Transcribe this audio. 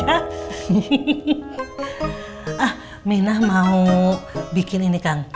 ah mirna mau bikin ini kang